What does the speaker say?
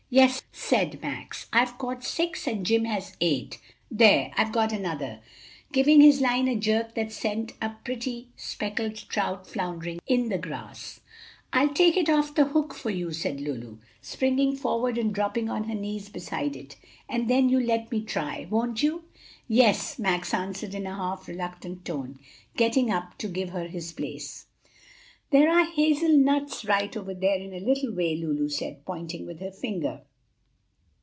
"Yes," said Max, "I've caught six and Jim has eight. There! I've got another!" giving his line a jerk that sent a pretty speckled trout floundering in the grass. "I'll take it off the hook for you," said Lulu, springing forward and dropping on her knees beside it. "And then you'll let me try, won't you?" "Yes," Max answered in a half reluctant tone, getting up to give her his place. "There are hazel nuts right over there a little way," Lulu said, pointing with her finger.